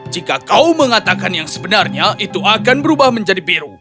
jika kau mengatakan yang sebenarnya itu akan berubah menjadi biru